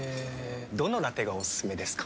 どのラテがおすすめですか？